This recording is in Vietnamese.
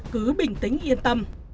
cứ bình tĩnh yên tâm